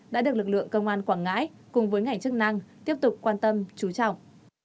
đã được lực lượng công an quảng ngãi cùng với ngành chức năng tiếp tục quan tâm chú trọng